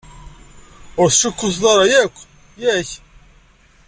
Ur teccukuteḍ ara yakk, yak?